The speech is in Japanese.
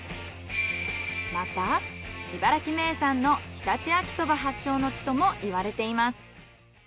また茨城名産の常陸秋そば発祥の地ともいわれています。